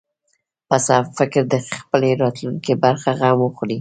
په سم فکر د خپلې راتلونکې برخه غم وخوري.